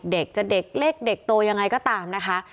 จะเป็นเกี่ยวกับเด็กเล็กเด็กโตยังไงก็ตามนะคะ